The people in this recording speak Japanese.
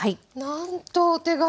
なんとお手軽な。